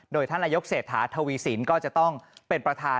โดยท่านนายกเศรษฐาทวีสินก็จะต้องเป็นประธาน